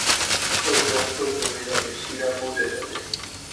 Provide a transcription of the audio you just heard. তোর রক্ত জমে যাবে, শিরা বুজে যাবে।